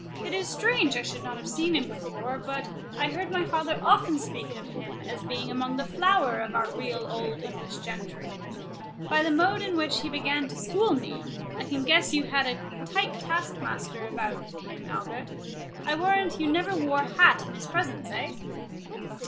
It is strange I should not have seen him before;—but I heard my father often speak of him as being among the flower of our real old English gentry. By the mode in which he began to school me, I can guess you had a tight taskmaster of him, Albert—I warrant you never wore hat in his presence, eh?"